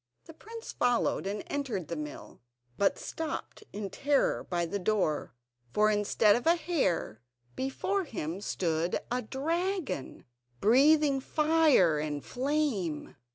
The prince followed and entered the mill, but stopped in terror by the door, for, instead of a hare, before him stood a dragon, breathing fire and flame.